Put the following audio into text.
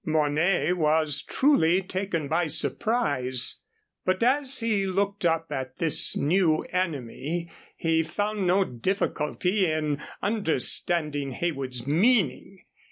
Mornay was truly taken by surprise. But as he looked up at this new enemy he found no difficulty in understanding Heywood's meaning.